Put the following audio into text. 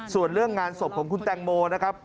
ส่วนเรื่องงานศพของคุณแตงโมนะครับ